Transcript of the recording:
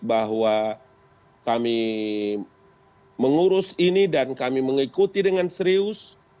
bahwa kami mengurus ini dan kami mengikuti dengan serius